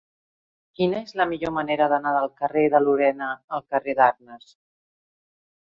Quina és la millor manera d'anar del carrer de Lorena al carrer d'Arnes?